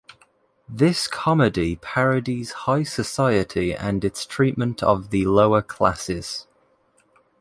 This comedy parodies high society and its treatment of the lower classes.